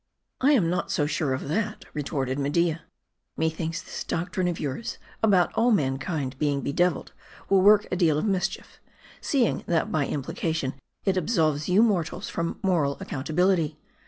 "I am not so sure of that," retorted Media. "Methinks this doctrine of yours, about all mankind being bedeviled, will work a deal of mischief ; seeing that by implication it absolves you mortals from moral accountability.